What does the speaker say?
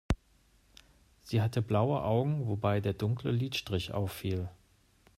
Sie hatte blaue Augen, wobei der dunkle Lidstrich auffiel.